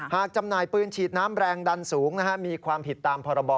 จำหน่ายปืนฉีดน้ำแรงดันสูงมีความผิดตามพรบ